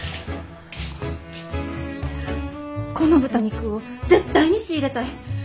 この豚肉を絶対に仕入れたい！